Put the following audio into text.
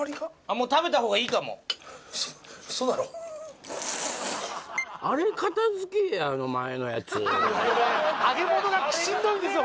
もう食べた方がいいかもあれ片付けえや前のやつ揚げ物がしんどいんですよ